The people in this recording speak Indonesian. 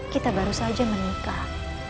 kita baru saja menikah